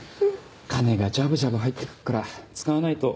金がジャブジャブ入ってくるから使わないと。